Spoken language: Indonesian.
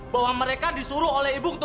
bahwa mereka disuruh oleh ibu untuk